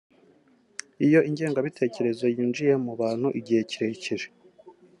Iyo ingengabitekerezo yinjiye mu bantu igihe kirekire